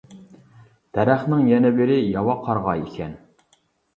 دەرەخنىڭ يەنە بىرى ياۋا قارىغاي ئىكەن.